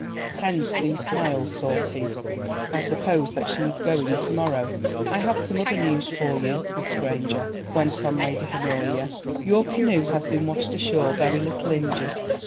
Hence these smiles," thought he. "I suppose that she is going to morrow." "I have some other news for you, Miss Granger," went on Lady Honoria. "Your canoe has been washed ashore, very little injured.